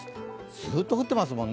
ずっと降ってますもんね。